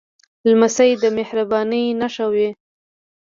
لمسی د مهربانۍ نښه وي.